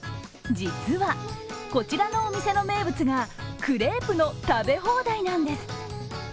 実は、こちらのお店の名物がクレープの食べ放題なんです。